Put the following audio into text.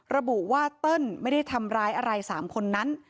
ระบุว่าเติ้ลไม่ได้ทำร้ายอะไร๓คนนั้น